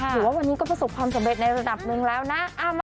ถือว่าวันนี้ก็ประสบความสำเร็จในระดับหนึ่งแล้วนะ